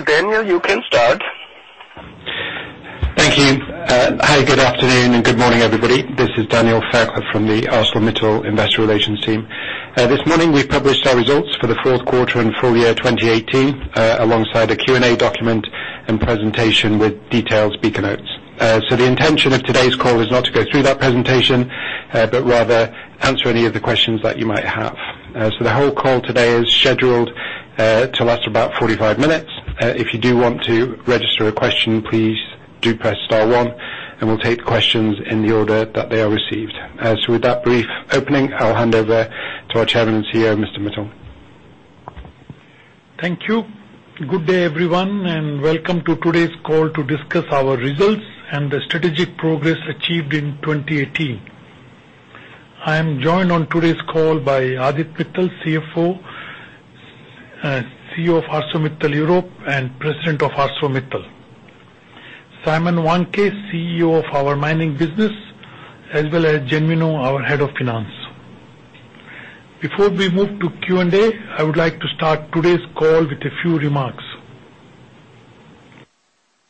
Daniel, you can start. Thank you. Hi, good afternoon, and good morning, everybody. This is Daniel Fairclough from the ArcelorMittal Investor Relations team. This morning, we published our results for the fourth quarter and full year 2018, alongside a Q&A document and presentation with detailed speaker notes. The intention of today's call is not to go through that presentation, but rather answer any of the questions that you might have. The whole call today is scheduled to last about 45 minutes. If you do want to register a question, please do press star one, and we'll take questions in the order that they are received. With that brief opening, I'll hand over to our chairman and CEO, Mr. Mittal. Thank you. Good day, everyone, and welcome to today's call to discuss our results and the strategic progress achieved in 2018. I am joined on today's call by Adit Mittal, CFO, CEO of ArcelorMittal Europe and President of ArcelorMittal. Simon Wandke, CEO of our mining business, as well as Jai Mino, our head of finance. Before we move to Q&A, I would like to start today's call with a few remarks.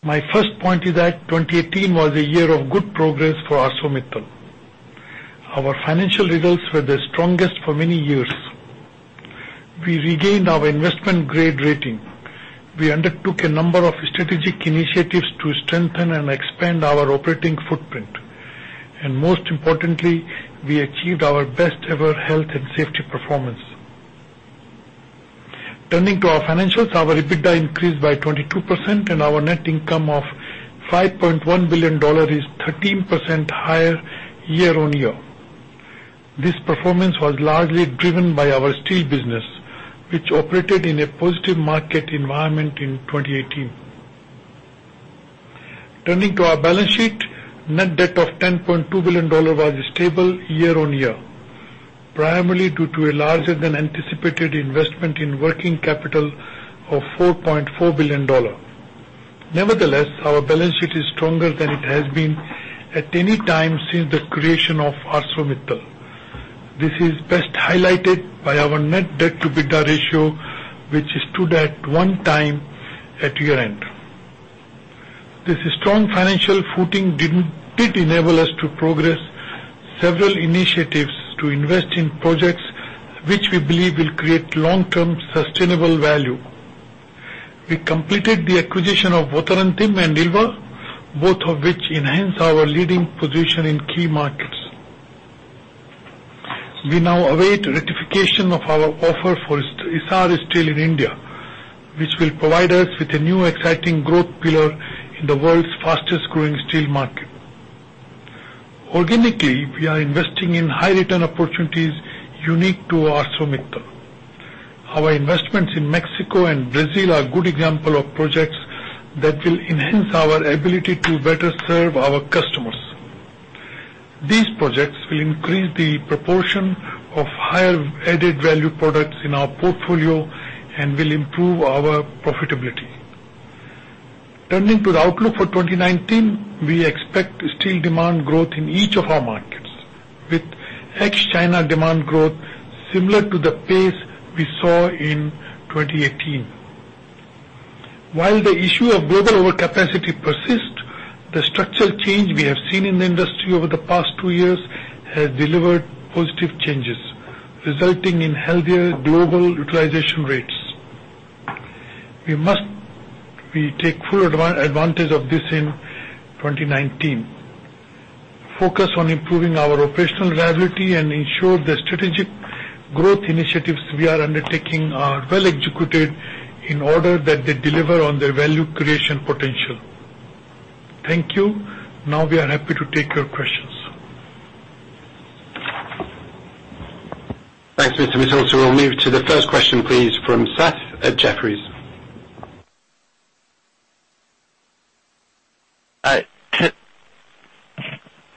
My first point is that 2018 was a year of good progress for ArcelorMittal. Our financial results were the strongest for many years. We regained our investment-grade rating. We undertook a number of strategic initiatives to strengthen and expand our operating footprint. Most importantly, we achieved our best-ever health and safety performance. Turning to our financials, our EBITDA increased by 22%, and our net income of $5.1 billion is 13% higher year-on-year. This performance was largely driven by our steel business, which operated in a positive market environment in 2018. Turning to our balance sheet, net debt of $10.2 billion was stable year-on-year, primarily due to a larger than anticipated investment in working capital of $4.4 billion. Nevertheless, our balance sheet is stronger than it has been at any time since the creation of ArcelorMittal. This is best highlighted by our net debt to EBITDA ratio, which stood at one time at year-end. This strong financial footing did enable us to progress several initiatives to invest in projects which we believe will create long-term sustainable value. We completed the acquisition of Votorantim and ILVA, both of which enhance our leading position in key markets. We now await ratification of our offer for Essar Steel in India, which will provide us with a new exciting growth pillar in the world's fastest-growing steel market. Organically, we are investing in high-return opportunities unique to ArcelorMittal. Our investments in Mexico and Brazil are good example of projects that will enhance our ability to better serve our customers. These projects will increase the proportion of higher added-value products in our portfolio and will improve our profitability. Turning to the outlook for 2019, we expect steel demand growth in each of our markets, with ex-China demand growth similar to the pace we saw in 2018. While the issue of global overcapacity persists, the structural change we have seen in the industry over the past two years has delivered positive changes, resulting in healthier global utilization rates. We must take full advantage of this in 2019, focus on improving our operational reliability, ensure the strategic growth initiatives we are undertaking are well executed in order that they deliver on their value creation potential. Thank you. We are happy to take your questions. Thanks, Mr. Mittal. We'll move to the first question, please, from Seth at Jefferies.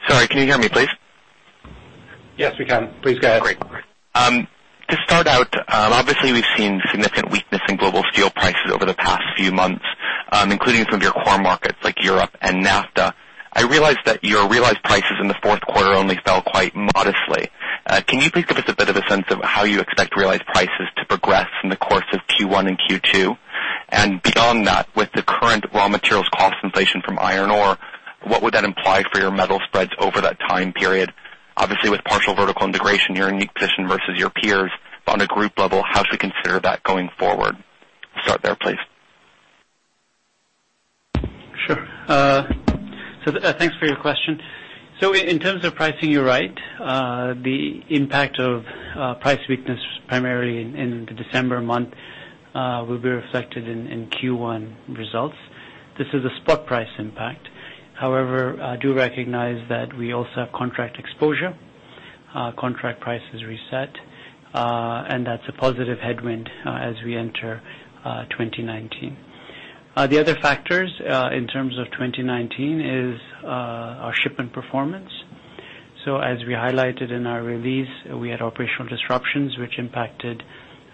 Sorry, can you hear me, please? Yes, we can. Please go ahead. Great. To start out, obviously, we've seen significant weakness in global steel prices over the past few months, including some of your core markets like Europe and NAFTA. I realize that your realized prices in the fourth quarter only fell quite modestly. Can you please give us a bit of a sense of how you expect realized prices to progress in the course of Q1 and Q2? Beyond that, with the current raw materials cost inflation from iron ore, what would that imply for your metal spreads over that time period? Obviously, with partial vertical integration, you're in a unique position versus your peers. On a group level, how should we consider that going forward? Start there, please. Sure. Thanks for your question. In terms of pricing, you're right. The impact of price weakness primarily in the December month will be reflected in Q1 results. This is a spot price impact. However, I do recognize that we also have contract exposure. Contract prices reset. That's a positive headwind as we enter 2019. The other factors, in terms of 2019, is our shipment performance. As we highlighted in our release, we had operational disruptions, which impacted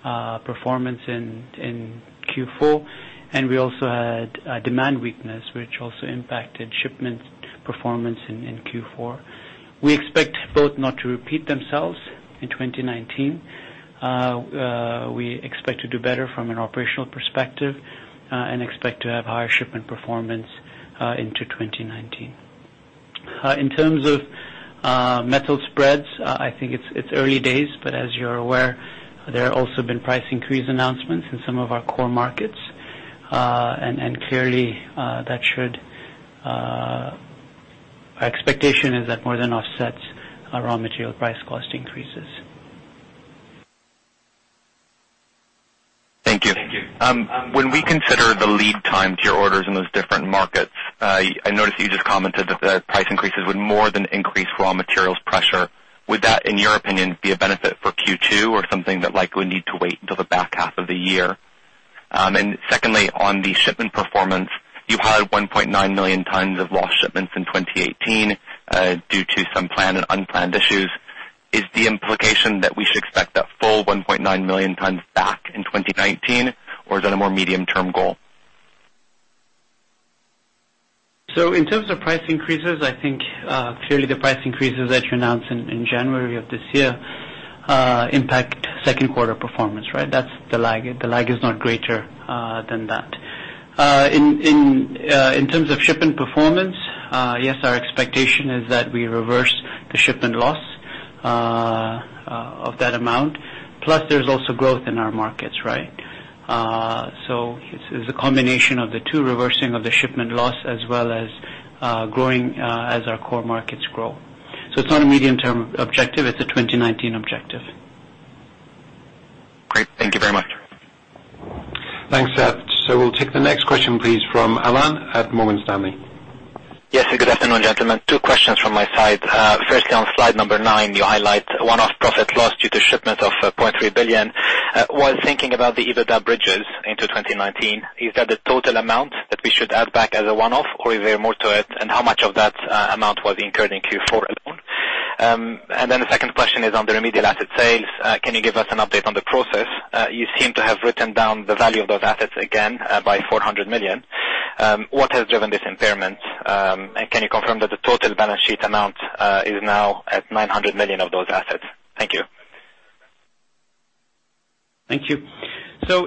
performance in Q4. We also had demand weakness, which also impacted shipment performance in Q4. We expect both not to repeat themselves in 2019. We expect to do better from an operational perspective. Expect to have higher shipment performance into 2019. In terms of metal spreads, I think it's early days. As you're aware, there have also been price increase announcements in some of our core markets. Clearly our expectation is that more than offsets our raw material price cost increases. Thank you. When we consider the lead time to your orders in those different markets, I noticed you just commented that the price increases would more than increase raw materials pressure. Would that, in your opinion, be a benefit for Q2 or something that likely would need to wait until the back half of the year? Secondly, on the shipment performance, you've had 1.9 million tons of lost shipments in 2018 due to some planned and unplanned issues. Is the implication that we should expect that full 1.9 million tons back in 2019, or is that a more medium-term goal? In terms of price increases, I think, clearly the price increases that you announced in January of this year impact second quarter performance, right? That's the lag. The lag is not greater than that. In terms of shipment performance, yes, our expectation is that we reverse the shipment loss of that amount. Plus, there's also growth in our markets, right? It's a combination of the two, reversing of the shipment loss, as well as growing as our core markets grow. It's not a medium-term objective, it's a 2019 objective. Great. Thank you very much. Thanks, Seth. We'll take the next question, please, from Alain at Morgan Stanley. Yes, good afternoon, gentlemen. Two questions from my side. Firstly, on slide number nine, you highlight one-off profit loss due to shipment of $0.3 billion. While thinking about the EBITDA bridges into 2019, is that the total amount that we should add back as a one-off, or is there more to it? How much of that amount was incurred in Q4 alone? The second question is on the remedial asset sales. Can you give us an update on the process? You seem to have written down the value of those assets again by $400 million. What has driven this impairment? Can you confirm that the total balance sheet amount is now at $900 million of those assets? Thank you. Thank you.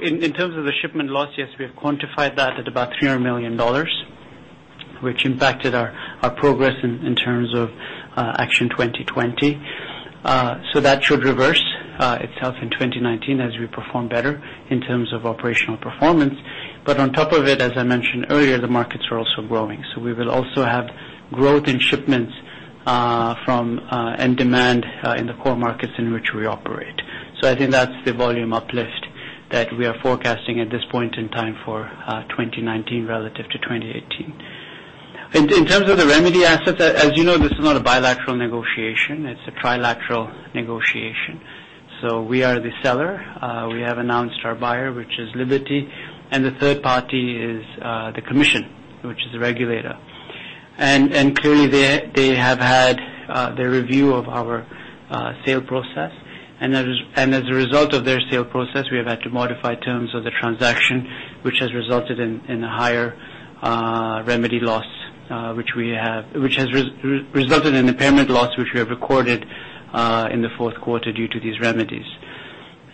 In terms of the shipment loss, yes, we have quantified that at about $300 million, which impacted our progress in terms of Action 2020. That should reverse itself in 2019 as we perform better in terms of operational performance. On top of it, as I mentioned earlier, the markets are also growing. We will also have growth in shipments and demand in the core markets in which we operate. I think that's the volume uplift that we are forecasting at this point in time for 2019 relative to 2018. In terms of the remedy assets, as you know, this is not a bilateral negotiation, it's a trilateral negotiation. We are the seller. We have announced our buyer, which is Liberty. The third party is the commission, which is the regulator. Clearly, they have had their review of our sale process. As a result of their sale process, we have had to modify terms of the transaction, which has resulted in a higher remedy loss, which has resulted in impairment loss, which we have recorded in the fourth quarter due to these remedies.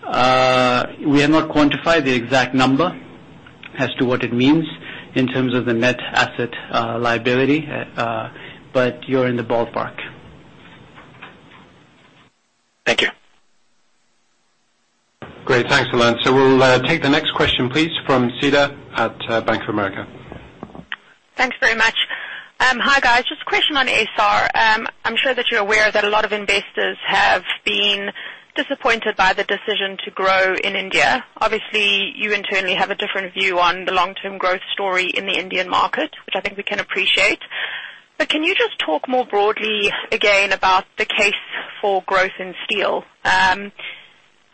We have not quantified the exact number as to what it means in terms of the net asset liability, but you're in the ballpark. Thank you. Great. Thanks, Alain. We'll take the next question, please, from Cedar at Bank of America. Thanks very much. Hi, guys. Just a question on Essar. I'm sure that you're aware that a lot of investors have been disappointed by the decision to grow in India. Obviously, you internally have a different view on the long-term growth story in the Indian market, which I think we can appreciate. Can you just talk more broadly again about the case for growth in steel?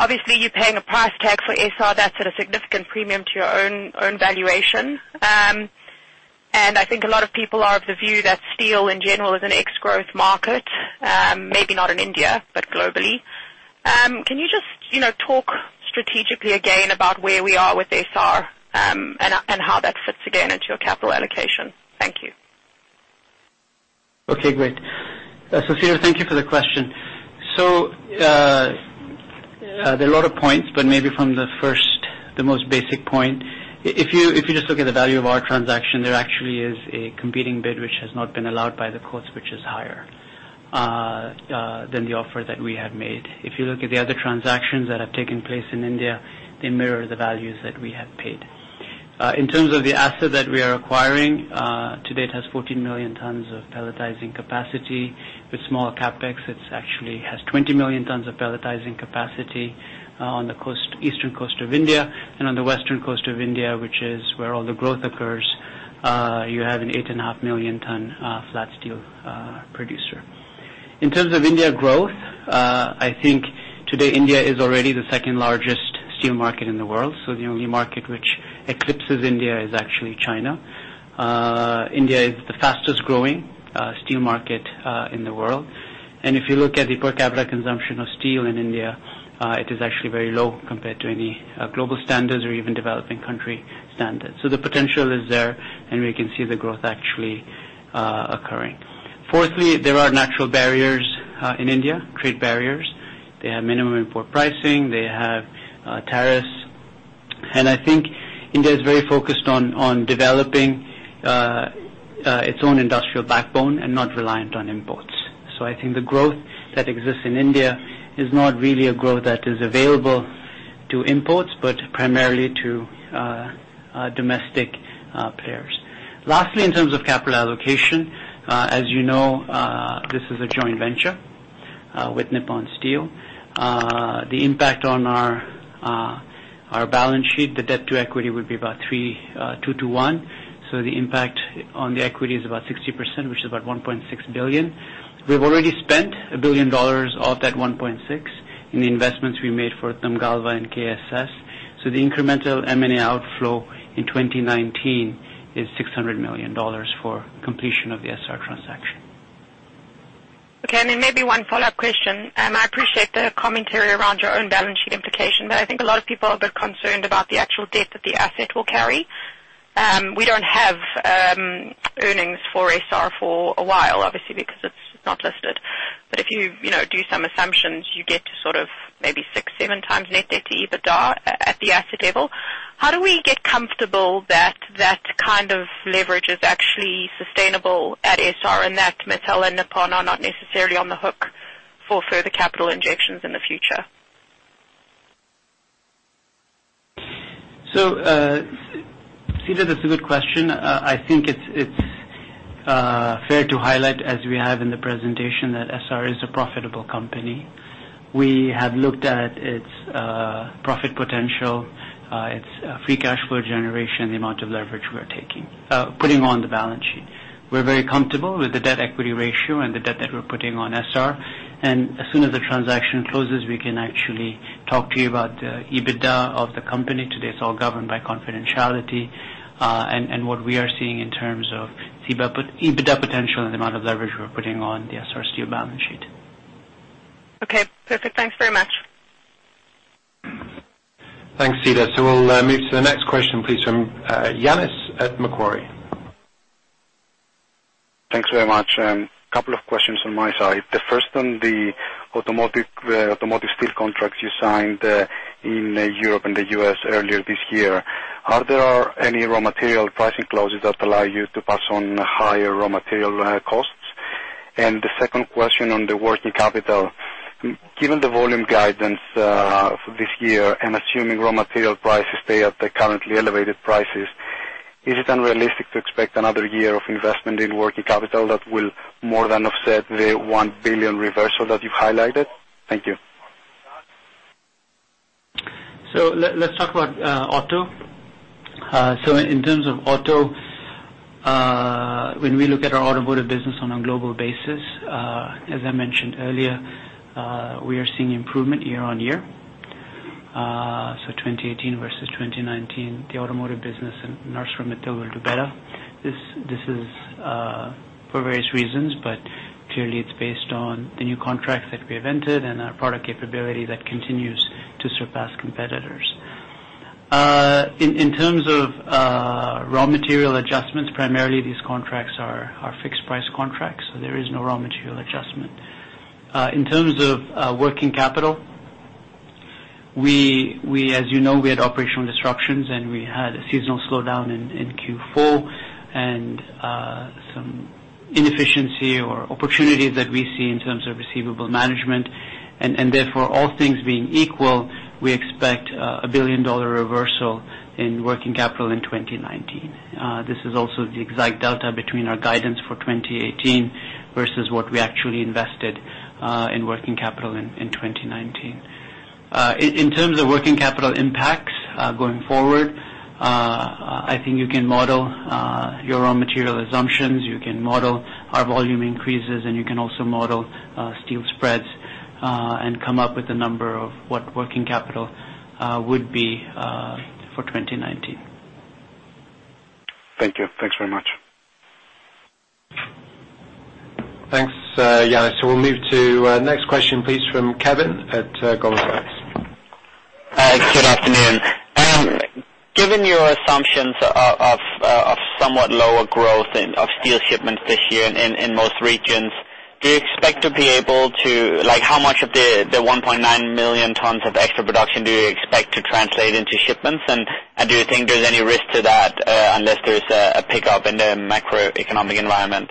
Obviously, you're paying a price tag for Essar that's at a significant premium to your own valuation. I think a lot of people are of the view that steel, in general, is an ex-growth market. Maybe not in India, but globally. Can you just talk strategically again about where we are with Essar, and how that fits again into your capital allocation? Thank you. Okay, great. Cedar, thank you for the question. There are a lot of points, but maybe from the first, the most basic point, if you just look at the value of our transaction, there actually is a competing bid which has not been allowed by the courts, which is higher than the offer that we have made. If you look at the other transactions that have taken place in India, they mirror the values that we have paid. In terms of the asset that we are acquiring, to date, has 14 million tons of pelletizing capacity with small CapEx. It actually has 20 million tons of pelletizing capacity on the eastern coast of India. On the western coast of India, which is where all the growth occurs, you have an 8.5 million ton flat steel producer. In terms of India growth, I think today India is already the second-largest steel market in the world. The only market which eclipses India is actually China. India is the fastest-growing steel market in the world. If you look at the per capita consumption of steel in India, it is actually very low compared to any global standards or even developing country standards. The potential is there, and we can see the growth actually occurring. Fourthly, there are natural barriers in India, trade barriers. They have minimum import pricing, they have tariffs. I think India is very focused on developing its own industrial backbone and not reliant on imports. I think the growth that exists in India is not really a growth that is available to imports, but primarily to domestic players. Lastly, in terms of capital allocation, as you know, this is a joint venture with Nippon Steel. The impact on our balance sheet, the debt to equity would be about 2:1. The impact on the equity is about 60%, which is about $1.6 billion. We've already spent $1 billion of that $1.6 in the investments we made for Uttam Galva and KSS. The incremental M&A outflow in 2019 is $600 million for completion of the Essar transaction. Okay. Maybe one follow-up question. I appreciate the commentary around your own balance sheet implication, but I think a lot of people are a bit concerned about the actual debt that the asset will carry. We don't have earnings for Essar for a while, obviously, because it's not listed. If you do some assumptions, you get to maybe six, seven times net debt to EBITDA at the asset level. How do we get comfortable that that kind of leverage is actually sustainable at Essar, and that Mittal and Nippon are not necessarily on the hook for further capital injections in the future? Cedar, that's a good question. I think it's fair to highlight, as we have in the presentation, that Essar is a profitable company. We have looked at its profit potential, its free cash flow generation, the amount of leverage we are taking, putting on the balance sheet. We're very comfortable with the debt-equity ratio and the debt that we're putting on Essar. As soon as the transaction closes, we can actually talk to you about the EBITDA of the company. Today it's all governed by confidentiality. What we are seeing in terms of EBITDA potential and the amount of leverage we're putting on the Essar Steel balance sheet. Okay, perfect. Thanks very much. Thanks, Cedar. We'll move to the next question, please, from Ioannis at Macquarie. Thanks very much. Couple of questions on my side. The first on the automotive steel contracts you signed in Europe and the U.S. earlier this year. Are there any raw material pricing clauses that allow you to pass on higher raw material costs? The second question on the working capital. Given the volume guidance for this year and assuming raw material prices stay at the currently elevated prices, is it unrealistic to expect another year of investment in working capital that will more than offset the 1 billion reversal that you've highlighted? Thank you. Let's talk about auto. In terms of auto, when we look at our automotive business on a global basis, as I mentioned earlier, we are seeing improvement year-over-year. 2018 versus 2019, the automotive business in ArcelorMittal will do better. This is for various reasons, but clearly it's based on the new contracts that we have entered and our product capability that continues to surpass competitors. In terms of raw material adjustments, primarily these contracts are fixed price contracts, so there is no raw material adjustment. In terms of working capital, as you know, we had operational disruptions and we had a seasonal slowdown in Q4 and some inefficiency or opportunities that we see in terms of receivable management. Therefore, all things being equal, we expect a billion-euro reversal in working capital in 2019. This is also the exact delta between our guidance for 2018 versus what we actually invested in working capital in 2019. In terms of working capital impacts going forward, I think you can model your own material assumptions, you can model our volume increases, and you can also model steel spreads, and come up with a number of what working capital would be for 2019. Thank you. Thanks very much. Thanks, Ioannis. We'll move to next question, please, from Kevin at Goldman Sachs. Good afternoon. Given your assumptions of somewhat lower growth of steel shipments this year in most regions, do you expect to be able to How much of the 1.9 million tons of extra production do you expect to translate into shipments? Do you think there's any risk to that, unless there's a pickup in the macroeconomic environment?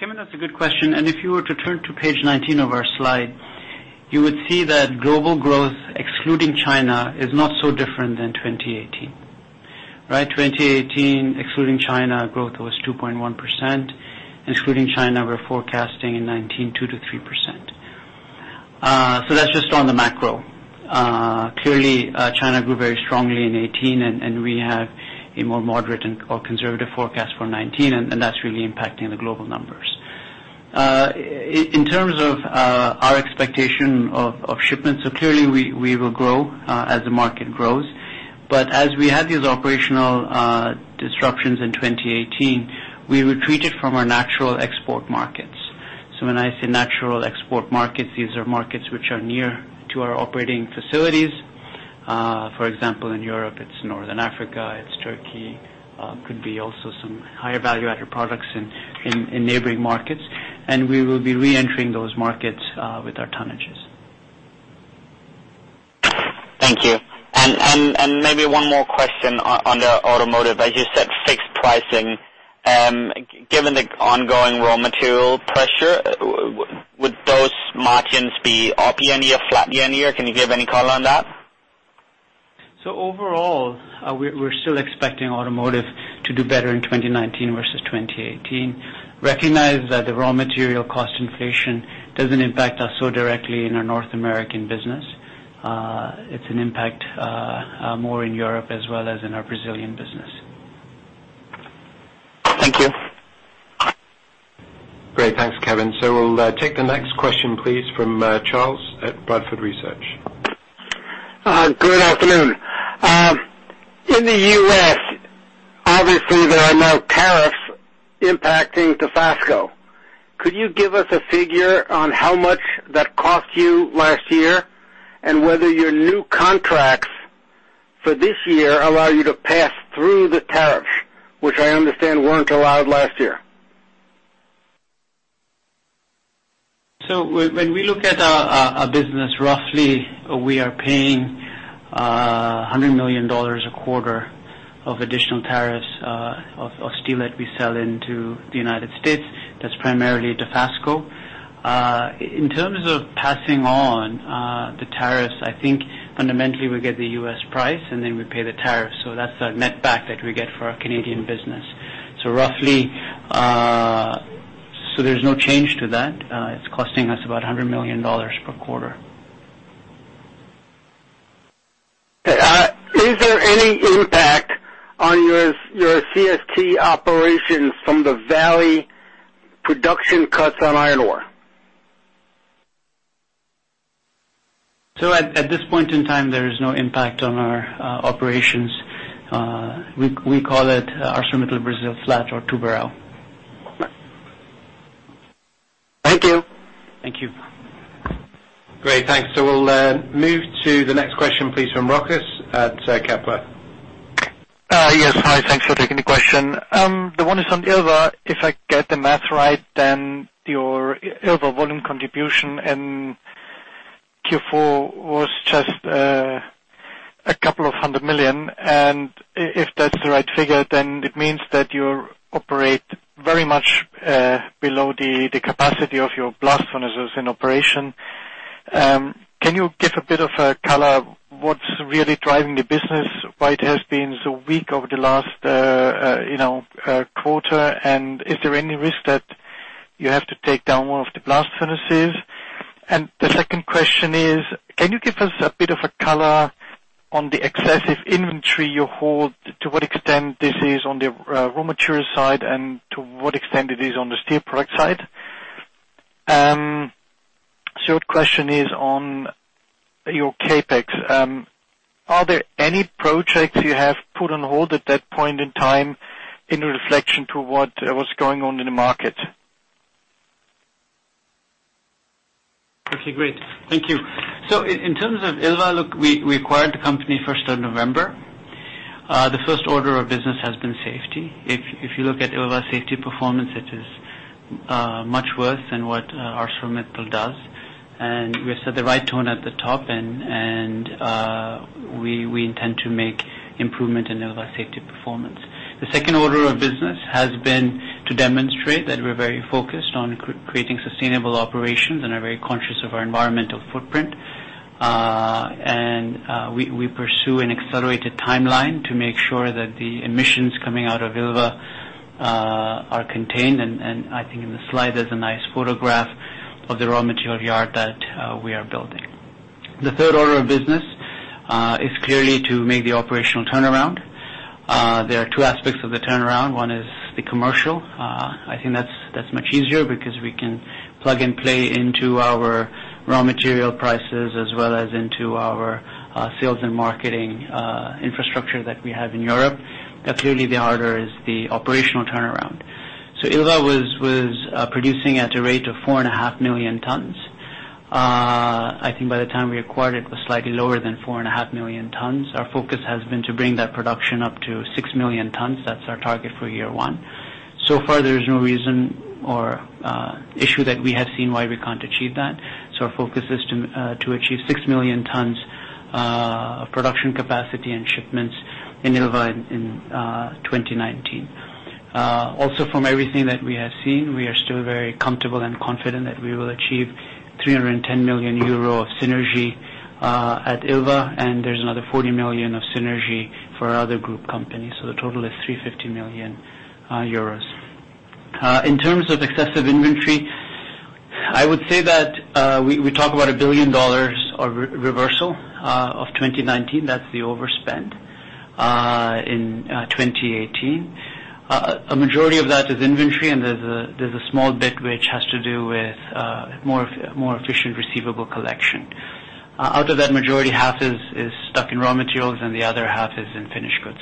Kevin, that's a good question. If you were to turn to page 19 of our slide, you would see that global growth, excluding China, is not so different than 2018, right? 2018, excluding China, growth was 2.1%. Including China, we're forecasting in 2019, 2%-3%. That's just on the macro. Clearly, China grew very strongly in 2018, and we have a more moderate or conservative forecast for 2019, and that's really impacting the global numbers. In terms of our expectation of shipments, clearly we will grow as the market grows. But as we had these operational disruptions in 2018, we retreated from our natural export markets. When I say natural export markets, these are markets which are near to our operating facilities. For example, in Europe, it's Northern Africa, it's Turkey. Could be also some higher value-added products in neighboring markets. We will be re-entering those markets with our tonnages. Thank you. Maybe one more question on the automotive. As you said, fixed pricing. Given the ongoing raw material pressure, would those margins be up year-over-year, flat year-over-year? Can you give any color on that? Overall, we're still expecting automotive to do better in 2019 versus 2018. Recognize that the raw material cost inflation doesn't impact us so directly in our North American business. It's an impact more in Europe as well as in our Brazilian business. Thank you. Great. Thanks, Kevin. We'll take the next question, please, from Charles at Bradford Research. Good afternoon. In the U.S., obviously, there are no tariffs impacting Dofasco. Could you give us a figure on how much that cost you last year, and whether your new contracts for this year allow you to pass through the tariffs, which I understand weren't allowed last year? When we look at our business, roughly, we are paying $100 million a quarter of additional tariffs of steel that we sell into the United States. That's primarily at Dofasco. In terms of passing on the tariffs, I think fundamentally we get the U.S. price and then we pay the tariff. That's our net back that we get for our Canadian business. There's no change to that. It's costing us about $100 million per quarter. Okay. Is there any impact on your CST operations from the Vale production cuts on iron ore? At this point in time, there is no impact on our operations. We call it ArcelorMittal Brazil Flat or Tubarão. Thank you. Thank you. Great. Thanks. We'll move to the next question, please, from Rochus at Kepler. Yes. Hi. Thanks for taking the question. The one is on ILVA. If I get the math right, your ILVA volume contribution in Q4 was just a couple of hundred million. If that's the right figure, it means that you operate very much below the capacity of your blast furnaces in operation. Can you give a bit of a color what's really driving the business, why it has been so weak over the last quarter, and is there any risk that you have to take down one of the blast furnaces? The second question is, can you give us a bit of a color on the excessive inventory you hold, to what extent this is on the raw material side, and to what extent it is on the steel product side? Third question is on your CapEx. Are there any projects you have put on hold at that point in time in reflection to what was going on in the market? Okay, great. Thank you. In terms of ILVA, look, we acquired the company 1st of November. The first order of business has been safety. If you look at ILVA's safety performance, it is much worse than what ArcelorMittal does. We have set the right tone at the top, and we intend to make improvement in ILVA safety performance. The second order of business has been to demonstrate that we're very focused on creating sustainable operations and are very conscious of our environmental footprint. We pursue an accelerated timeline to make sure that the emissions coming out of ILVA are contained. I think in the slide, there's a nice photograph of the raw material yard that we are building. The third order of business is clearly to make the operational turnaround. There are two aspects of the turnaround. One is the commercial. I think that's much easier because we can plug and play into our raw material prices as well as into our sales and marketing infrastructure that we have in Europe. Clearly, the harder is the operational turnaround. ILVA was producing at a rate of 4.5 million tons. I think by the time we acquired, it was slightly lower than 4.5 million tons. Our focus has been to bring that production up to 6 million tons. That's our target for year one. So far, there is no reason or issue that we have seen why we can't achieve that. Our focus is to achieve 6 million tons of production capacity and shipments in ILVA in 2019. From everything that we have seen, we are still very comfortable and confident that we will achieve 310 million euro of synergy at ILVA, and there's another 40 million of synergy for our other group companies. The total is 350 million euros. In terms of excessive inventory, I would say that we talk about EUR 1 billion of reversal of 2019. That's the overspend in 2018. A majority of that is inventory, and there's a small bit which has to do with more efficient receivable collection. Out of that majority, half is stuck in raw materials and the other half is in finished goods.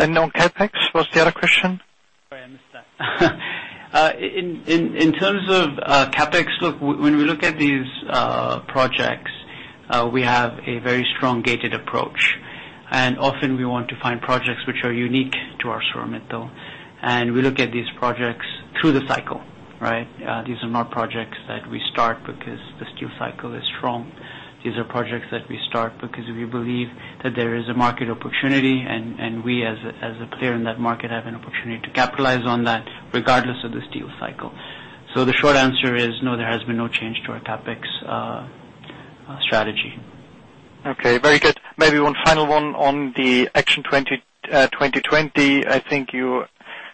On CapEx, what's the other question? Sorry, I missed that. In terms of CapEx, look, when we look at these projects, we have a very strong gated approach. Often we want to find projects which are unique to ArcelorMittal, and we look at these projects through the cycle. These are not projects that we start because the steel cycle is strong. These are projects that we start because we believe that there is a market opportunity, and we, as a player in that market, have an opportunity to capitalize on that regardless of the steel cycle. The short answer is no, there has been no change to our CapEx strategy. Okay. Very good. Maybe one final one on the Action 2020. I think you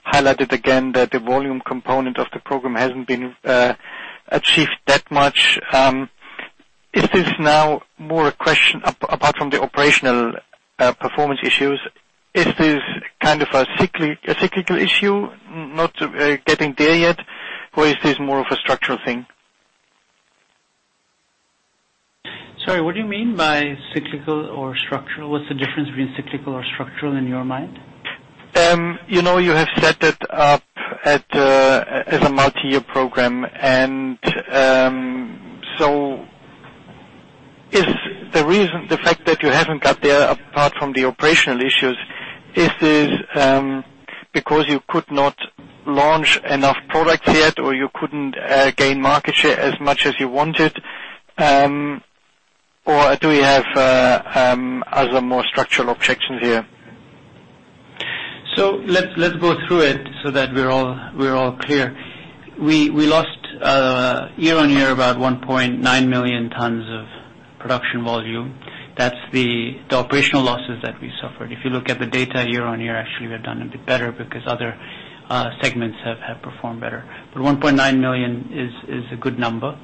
highlighted again that the volume component of the program hasn't been achieved that much. Is this now more a question, apart from the operational performance issues, is this a cyclical issue not getting there yet? Or is this more of a structural thing? Sorry, what do you mean by cyclical or structural? What's the difference between cyclical or structural in your mind? You have set it up as a multi-year program. Is the fact that you haven't got there, apart from the operational issues, is this because you could not launch enough products yet, or you couldn't gain market share as much as you wanted? Do you have other, more structural objections here? Let's go through it so that we're all clear. We lost year-on-year about 1.9 million tons of production volume. That's the operational losses that we suffered. If you look at the data year-on-year, actually, we have done a bit better because other segments have performed better. 1.9 million is a good number.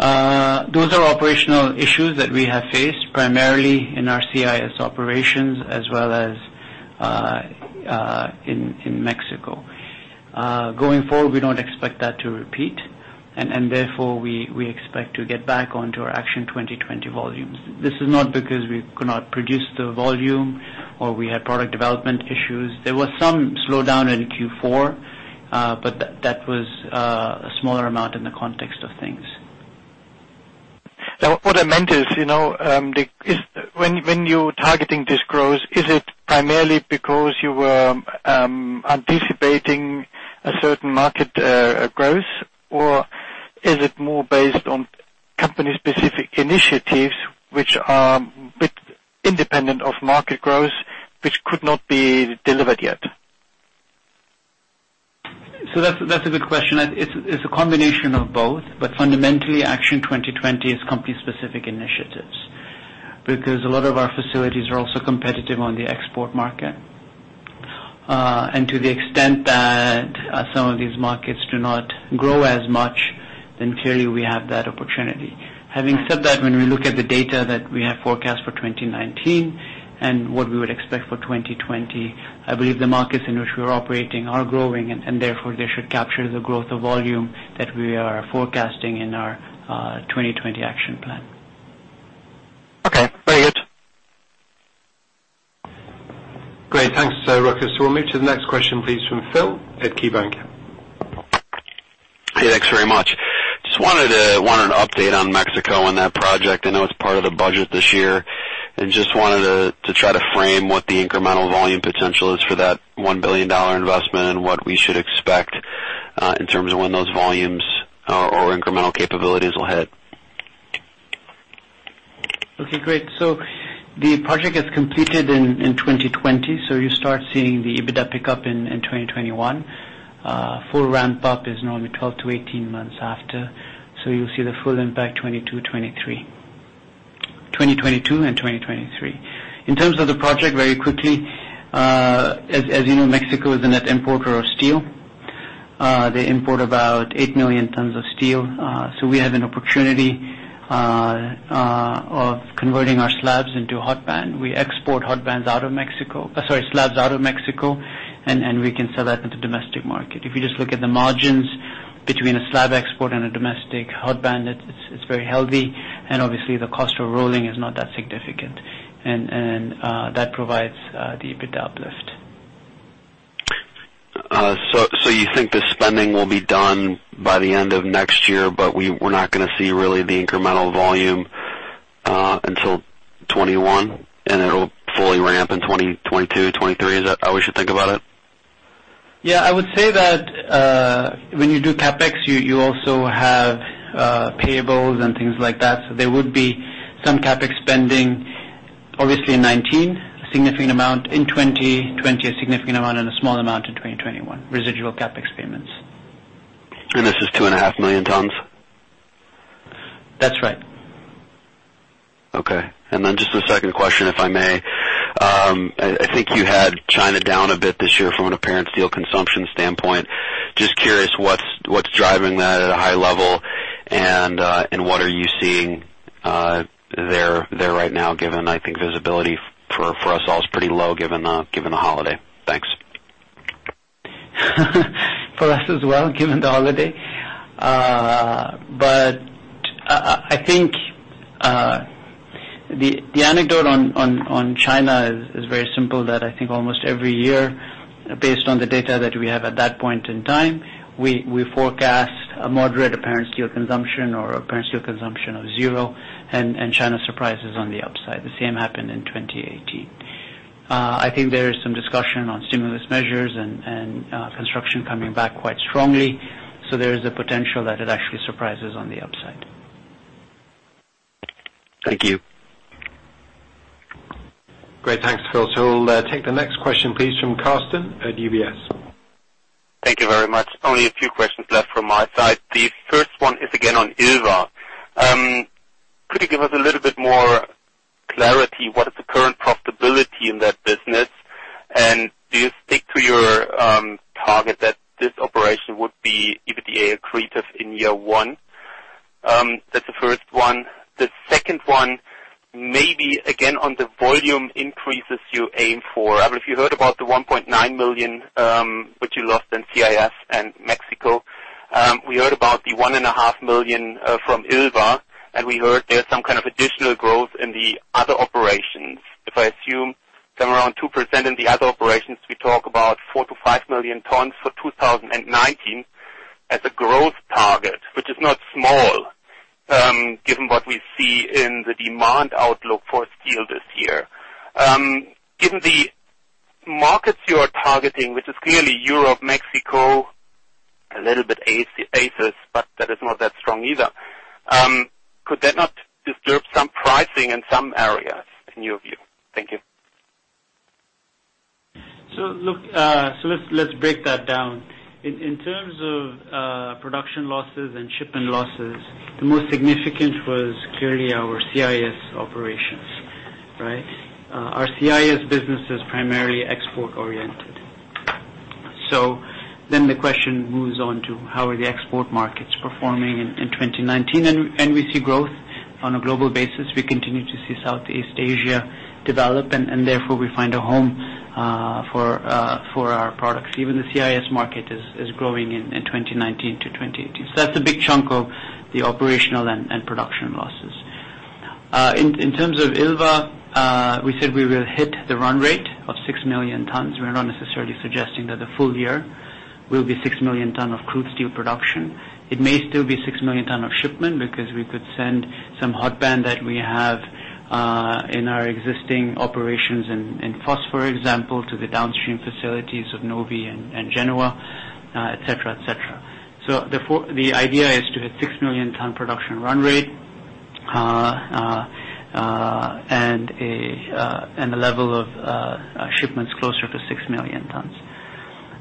Those are operational issues that we have faced primarily in our CIS operations as well as in Mexico. Going forward, we don't expect that to repeat, therefore we expect to get back onto our Action 2020 volumes. This is not because we could not produce the volume or we had product development issues. There was some slowdown in Q4, but that was a smaller amount in the context of things. What I meant is, when you're targeting this growth, is it primarily because you were anticipating a certain market growth? Is it more based on company-specific initiatives which are a bit independent of market growth, which could not be delivered yet? That's a good question, it's a combination of both, fundamentally, Action 2020 is company-specific initiatives. A lot of our facilities are also competitive on the export market. To the extent that some of these markets do not grow as much, clearly we have that opportunity. Having said that, when we look at the data that we have forecast for 2019 and what we would expect for 2020, I believe the markets in which we're operating are growing, therefore they should capture the growth of volume that we are forecasting in our 2020 action plan. Okay. Very good. Great. Thanks, Rochus. We'll move to the next question, please, from Phil at KeyBanc. Thanks very much. Just wanted an update on Mexico on that project. I know it's part of the budget this year. Just wanted to try to frame what the incremental volume potential is for that $1 billion investment and what we should expect in terms of when those volumes or incremental capabilities will hit. Okay, great. The project is completed in 2020, you start seeing the EBITDA pick up in 2021. Full ramp-up is normally 12-18 months after, you'll see the full impact 2022 and 2023. In terms of the project, very quickly, as you know, Mexico is a net importer of steel. They import about 8 million tons of steel. We have an opportunity of converting our slabs into hot band. We export slabs out of Mexico, and we can sell that into domestic market. If you just look at the margins between a slab export and a domestic hot band, it's very healthy. Obviously, the cost of rolling is not that significant. That provides the EBITDA uplift. You think the spending will be done by the end of next year, we're not going to see really the incremental volume until 2021? It'll fully ramp in 2022, 2023? Is that how we should think about it? Yeah, I would say that when you do CapEx, you also have payables and things like that. There would be some CapEx spending, obviously in 2019, a significant amount in 2020, and a small amount in 2021, residual CapEx payments. This is 2.5 million tons? That's right. Just the second question, if I may. I think you had China down a bit this year from an apparent steel consumption standpoint. Just curious, what's driving that at a high level and what are you seeing there right now, given, I think visibility for us all is pretty low given the holiday? For us as well, given the holiday. I think the anecdote on China is very simple, that I think almost every year, based on the data that we have at that point in time, we forecast a moderate apparent steel consumption or apparent steel consumption of zero, and China surprises on the upside. The same happened in 2018. I think there is some discussion on stimulus measures and construction coming back quite strongly, so there is a potential that it actually surprises on the upside. Thank you. Thanks, Phil. We'll take the next question, please, from Carsten at UBS. Thank you very much. Only a few questions left from my side. The first one is again on ILVA. Could you give us a little bit more clarity, what is the current profitability in that business? Do you stick to your target that this operation would be EBITDA accretive in year one? That's the first one. The second one, maybe again, on the volume increases you aim for. I mean, if you heard about the 1.9 million, which you lost in ACIS and Mexico. We heard about the 1.5 million from ILVA, and we heard there's some kind of additional growth in the other operations. If I assume they're around 2% in the other operations, we talk about 4 million-5 million tons for 2019 as a growth target. This is not small, given what we see in the demand outlook for steel this year. Given the markets you are targeting, which is clearly Europe, Mexico, a little bit ACIS, that is not that strong either. Could that not disturb some pricing in some areas in your view? Thank you. Let's break that down. In terms of production losses and shipment losses, the most significant was clearly our ACIS operations. Our ACIS business is primarily export oriented. The question moves on to how are the export markets performing in 2019? We see growth on a global basis. We continue to see Southeast Asia develop, and therefore we find a home for our products. Even the ACIS market is growing in 2019 to 2018. That's a big chunk of the operational and production losses. In terms of ILVA, we said we will hit the run rate of 6 million tons. We're not necessarily suggesting that the full year will be 6 million ton of crude steel production. It may still be 6 million ton of shipment because we could send some hot band that we have in our existing operations in FOS, for example, to the downstream facilities of Novi and Genova, et cetera. Therefore, the idea is to hit 6 million ton production run rate, and a level of shipments closer to 6 million tons.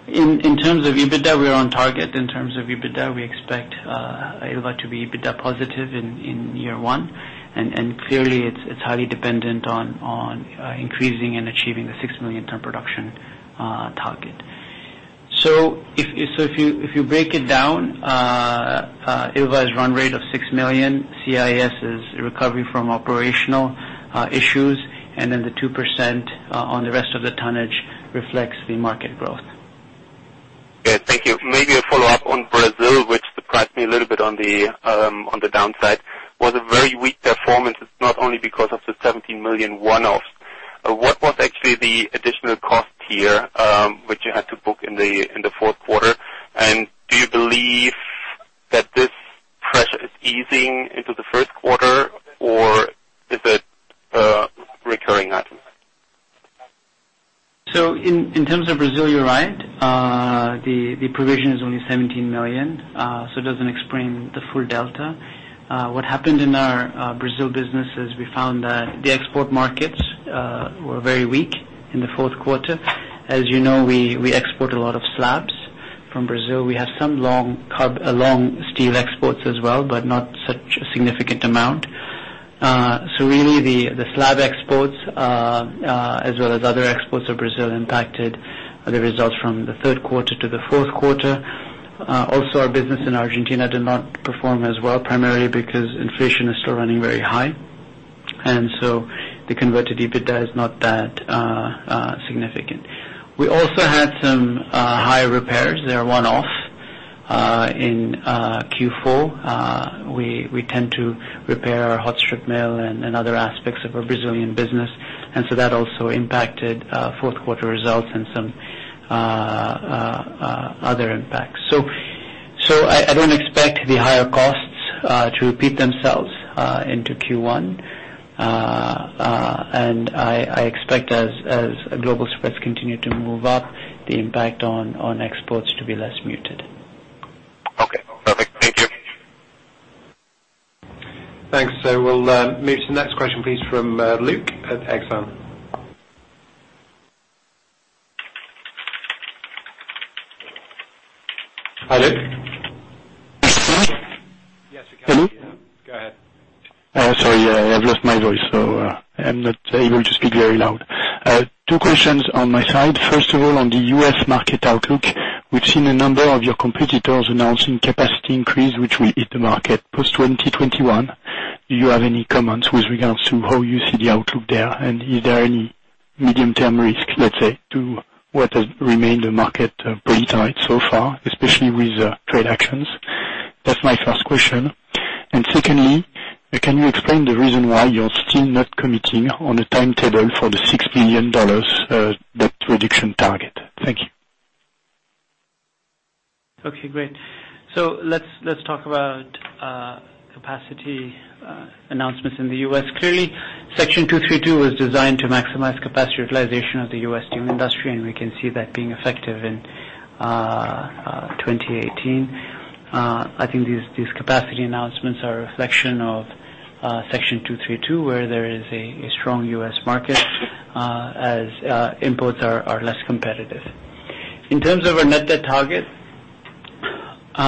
In terms of EBITDA, we are on target. In terms of EBITDA, we expect ILVA to be EBITDA positive in year one, and clearly it's highly dependent on increasing and achieving the 6 million ton production target. If you break it down, ILVA's run rate of 6 million, CIS is recovery from operational issues, and then the 2% on the rest of the tonnage reflects the market growth. Okay, thank you. Maybe a follow-up on Brazil, which surprised me a little bit on the downside. Was a very weak performance, it's not only because of the $17 million one-offs. What was actually the additional cost here, which you had to book in the fourth quarter, and do you believe that this pressure is easing into the first quarter or is it a recurring item? In terms of Brazil, you're right. The provision is only $17 million, it doesn't explain the full delta. What happened in our Brazil business is we found that the export markets were very weak in the fourth quarter. As you know, we export a lot of slabs from Brazil. We have some long steel exports as well, but not such a significant amount. Really the slab exports, as well as other exports of Brazil impacted the results from the third quarter to the fourth quarter. Also, our business in Argentina did not perform as well, primarily because inflation is still running very high. The converted EBITDA is not that significant. We also had some high repairs. They are one-off in Q4. We tend to repair our hot strip mill and other aspects of our Brazilian business. That also impacted fourth quarter results and some other impacts. I don't expect the higher costs to repeat themselves into Q1. I expect as global spreads continue to move up, the impact on exports to be less muted. Okay, perfect. Thank you. Thanks. We'll move to the next question, please, from Luc at Exane. Hi, Luc. Yes. Can you hear me? Yes, we can. Go ahead. Sorry, I've lost my voice, so I'm not able to speak very loud. Two questions on my side. First of all, on the U.S. market outlook, we've seen a number of your competitors announcing capacity increase, which will hit the market post 2021. Do you have any comments with regards to how you see the outlook there? Is there any medium-term risk, let's say, to what has remained a market pretty tight so far, especially with trade actions? That's my first question. Secondly, can you explain the reason why you're still not committing on a timetable for the EUR 6 billion debt reduction target? Thank you. Okay, great. Let's talk about capacity announcements in the U.S. Clearly, Section 232 was designed to maximize capacity utilization of the U.S. steel industry, and we can see that being effective in 2018. I think these capacity announcements are a reflection of Section 232, where there is a strong U.S. market as imports are less competitive. In terms of our net debt target, we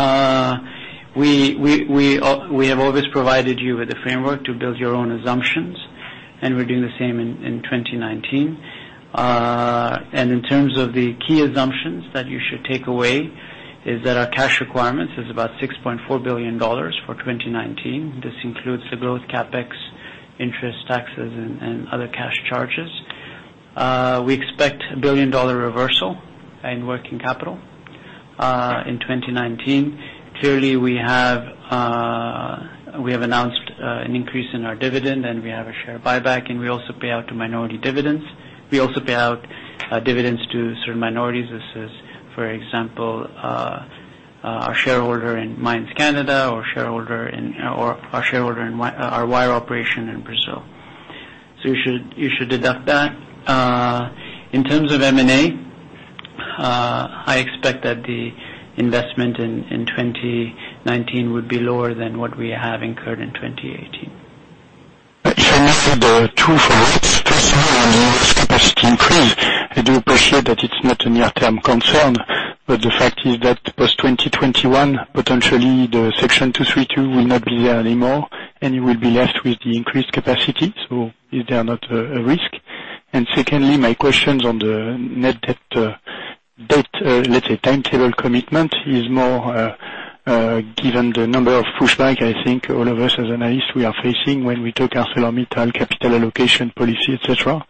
have always provided you with a framework to build your own assumptions, and we're doing the same in 2019. In terms of the key assumptions that you should take away, is that our cash requirements is about EUR 6.4 billion for 2019. This includes the growth CapEx, interest, taxes, and other cash charges. We expect a billion-euro reversal in working capital, in 2019. Clearly, we have announced an increase in our dividend. We have a share buyback, and we also pay out to minority dividends. We also pay out dividends to certain minorities. This is, for example, our shareholder in Mines Canada, or our shareholder in our wire operation in Brazil. You should deduct that. In terms of M&A, I expect that the investment in 2019 would be lower than what we have incurred in 2018. If I may say there are two for one. First of all, on U.S. capacity increase, I do appreciate that it's not a near-term concern. The fact is that post 2021, potentially, the Section 232 will not be there anymore, and you will be left with the increased capacity. Is there not a risk? Secondly, my questions on the net debt, let's say, timetable commitment is more given the number of pushback, I think all of us as analysts we are facing when we talk ArcelorMittal capital allocation policy, et cetera,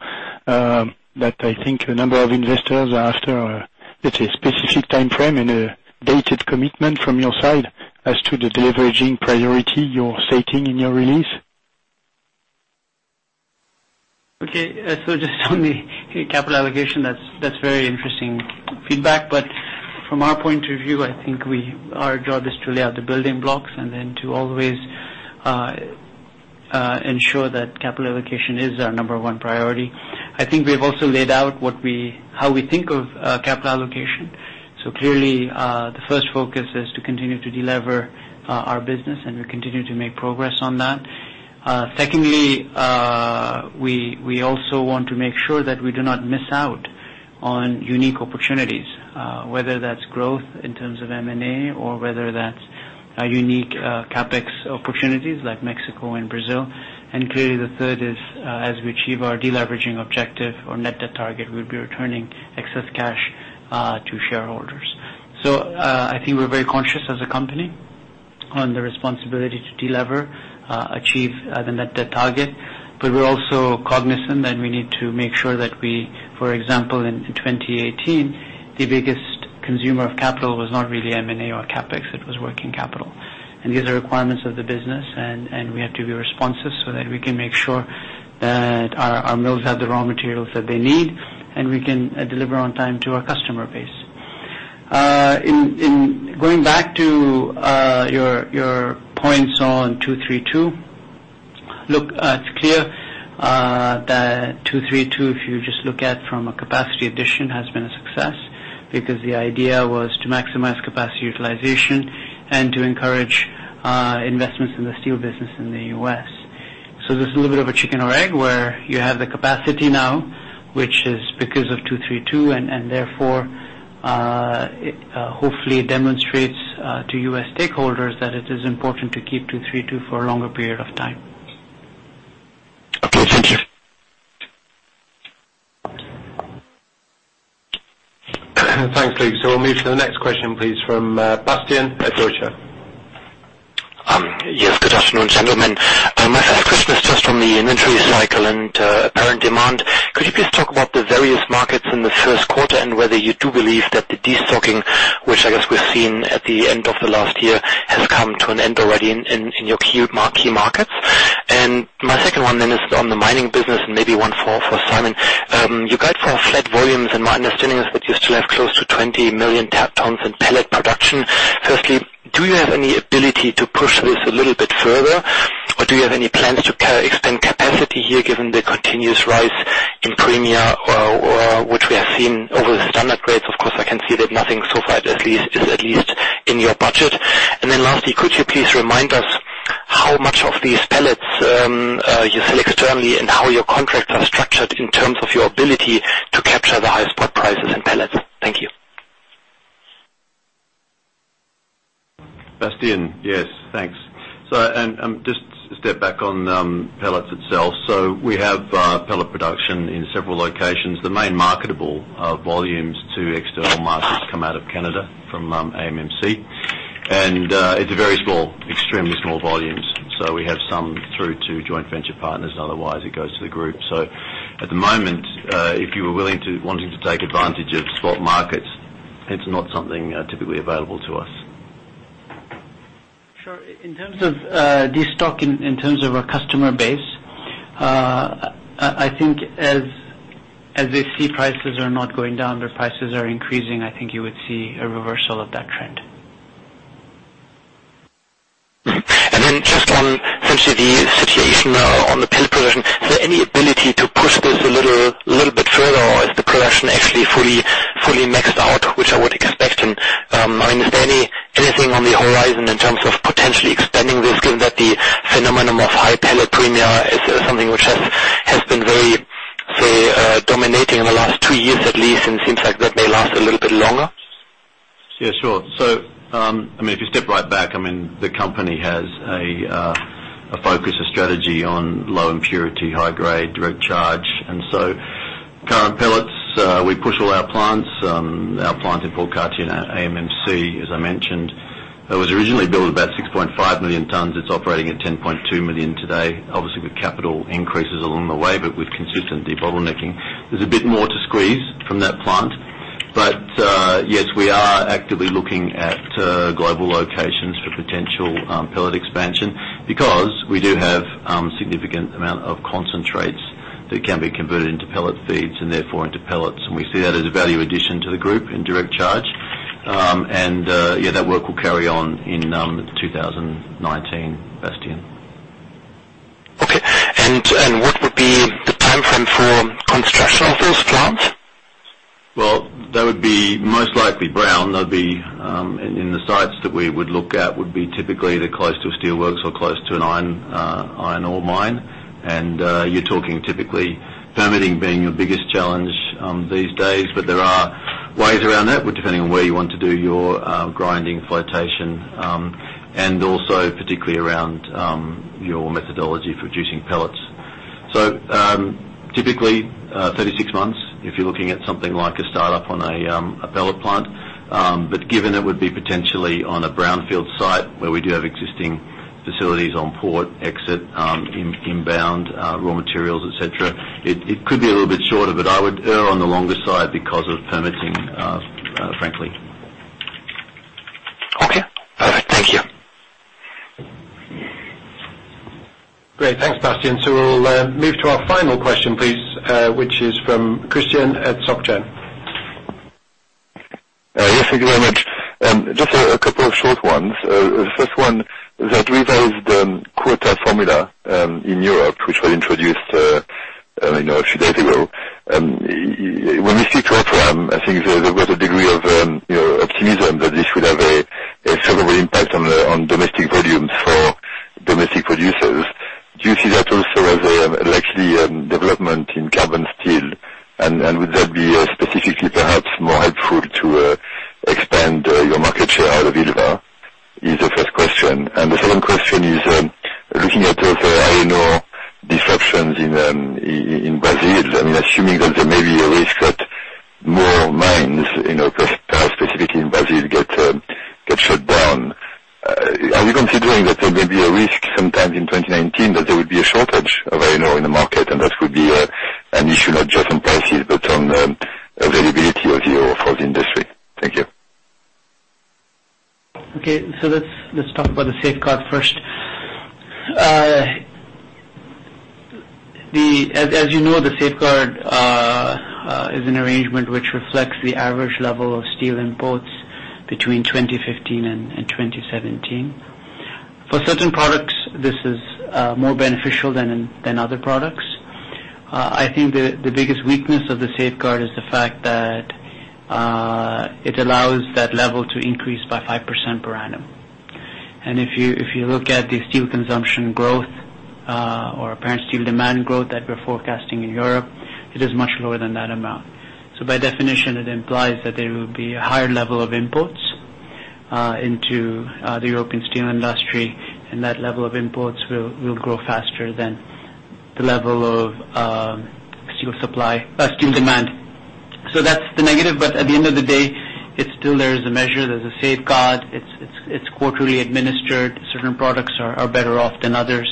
that I think a number of investors are after a, let's say, specific timeframe and a dated commitment from your side as to the deleveraging priority you're stating in your release. Okay. Just on the capital allocation, that's very interesting feedback. From our point of view, I think our job is to lay out the building blocks and then to always ensure that capital allocation is our number one priority. I think we've also laid out how we think of capital allocation. Clearly, the first focus is to continue to delever our business, and we're continuing to make progress on that. Secondly, we also want to make sure that we do not miss out on unique opportunities, whether that's growth in terms of M&A or whether that's unique CapEx opportunities like Mexico and Brazil. Clearly, the third is, as we achieve our deleveraging objective or net debt target, we'll be returning excess cash to shareholders. I think we're very conscious as a company on the responsibility to delever, achieve the net debt target. We're also cognizant that we need to make sure that we, for example, in 2018, the biggest consumer of capital was not really M&A or CapEx. It was working capital. These are requirements of the business, and we have to be responsive so that we can make sure that our mills have the raw materials that they need, and we can deliver on time to our customer base. Going back to your points on 232. Look, it's clear that 232, if you just look at from a capacity addition, has been a success because the idea was to maximize capacity utilization and to encourage investments in the steel business in the U.S. There's a little bit of a chicken or egg, where you have the capacity now, which is because of 232, and therefore, hopefully it demonstrates to U.S. stakeholders that it is important to keep 232 for a longer period of time. Okay. Thank you. Thanks, Luc. We'll move to the next question, please, from Bastian at Deutsche Bank. Yes. Good afternoon, gentlemen. My first question is just from the inventory cycle and apparent demand. Could you please talk about the various markets in the first quarter and whether you do believe that the destocking, which I guess we've seen at the end of the last year, has come to an end already in your key markets? My second one then is on the mining business and maybe one for Simon. You guide for flat volumes, and my understanding is that you still have close to 20 million tons in pellet production. Firstly, do you have any ability to push this a little bit further? Or do you have any plans to expand capacity here given the continuous rise in premia, or which we have seen over the standard grades? Of course, I can see that nothing so far is at least in your budget. Lastly, could you please remind us how much of these pellets you sell externally and how your contracts are structured in terms of your ability to capture the highest spot prices in pellets? Thank you. Bastian. Yes. Thanks. Just to step back on pellets itself. We have pellet production in several locations. The main marketable volumes to external markets come out of Canada from AMC. It's very small, extremely small volumes. We have some through to joint venture partners, otherwise it goes to the group. At the moment, if you were wanting to take advantage of spot markets, it's not something typically available to us. Sure. In terms of this stock, in terms of our customer base, I think as they see prices are not going down, their prices are increasing, I think you would see a reversal of that trend. Just on essentially the situation on the pellet production, is there any ability to push this a little bit further or is the production actually fully maxed out, which I would expect? I mean, is there anything on the horizon in terms of potentially expanding this, given that the phenomenon of high pellet premia is something which has been very, say, dominating in the last two years at least and seems like that may last a little bit longer? Yeah, sure. If you step right back, the company has a focus, a strategy on low impurity, high grade, direct charge. Current pellets, we push all our plants. Our plant in Port-Cartier, AMC, as I mentioned, it was originally built about 6.5 million tons. It's operating at 10.2 million today. Obviously, with capital increases along the way, but with consistent debottlenecking. There's a bit more to squeeze from that plant. Yes, we are actively looking at global locations for potential pellet expansion because we do have significant amount of concentrates that can be converted into pellet feed and therefore into pellets. We see that as a value addition to the group in direct charge. Yeah, that work will carry on in 2019, Bastian. Okay. What would be the timeframe for construction of those plants? Well, they would be most likely brown. In the sites that we would look at would be typically either close to a steelworks or close to an iron ore mine. You're talking typically permitting being your biggest challenge these days, but there are ways around that, depending on where you want to do your grinding flotation, and also particularly around your methodology for producing pellets. Typically, 36 months if you're looking at something like a startup on a pellet plant. Given it would be potentially on a brownfield site where we do have existing facilities on port, exit, inbound raw materials, et cetera, it could be a little bit shorter, but I would err on the longer side because of permitting, frankly. Okay. All right. Thank you. Great. Thanks, Bastian. We'll move to our final question, please, which is from Christian at Société Générale. Yes, thank you very much. Just a couple of short ones. The first one, that revised quota formula in Europe, which was introduced a few days ago. When we speak to our firm, I think there was a degree of If you look at the steel consumption growth or apparent steel demand growth that we're forecasting in Europe, it is much lower than that amount. By definition, it implies that there will be a higher level of imports into the European steel industry, and that level of imports will grow faster than the level of steel demand. That's the negative, but at the end of the day, it's still there as a measure. There's a safeguard. It's quarterly administered. Certain products are better off than others.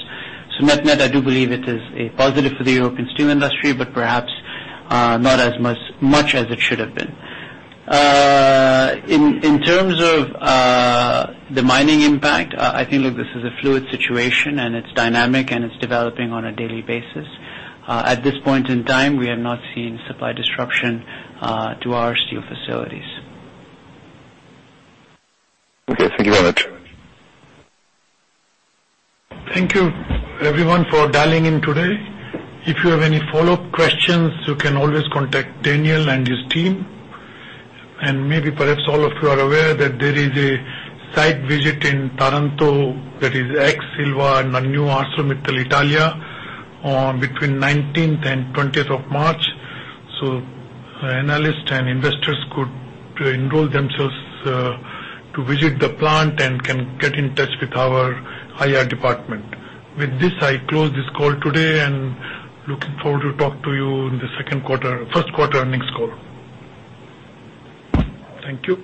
Net-net, I do believe it is a positive for the European steel industry, but perhaps not as much as it should have been. In terms of the mining impact, I think, look, this is a fluid situation and it's dynamic and it's developing on a daily basis. At this point in time, we have not seen supply disruption to our steel facilities. Okay. Thank you very much. Thank you everyone for dialing in today. If you have any follow-up questions, you can always contact Daniel and his team. Maybe perhaps all of you are aware that there is a site visit in Taranto that is ex-ILVA, now new ArcelorMittal Italia, between 19th and 20th of March. Analysts and investors could enroll themselves to visit the plant and can get in touch with our IR department. With this, I close this call today and looking forward to talk to you in the first quarter earnings call. Thank you.